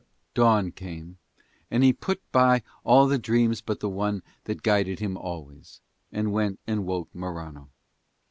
Dawn came and he put by all the dreams but the one that guided him always, and went and woke Morano.